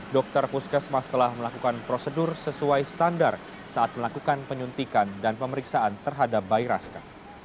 dokter puskesmas telah melakukan prosedur sesuai standar saat melakukan penyuntikan dan pemeriksaan terhadap bayi raska